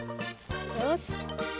よし。